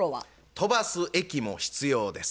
「とばすえき」も必要です。